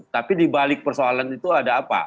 tapi di balik persoalan itu ada apa